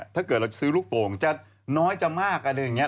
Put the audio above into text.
ถ้าเกิดเราซื้อลูกโป่งจะน้อยจะมากอะไรอย่างนี้